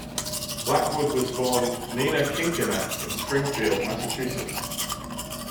Blackwood was born Nina Kinckiner in Springfield, Massachusetts.